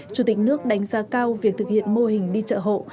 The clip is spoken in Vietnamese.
chủ tịch nước đánh giá cao việc thực hiện mô hình đi chợ hộ